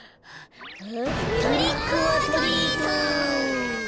トリックオアトリート！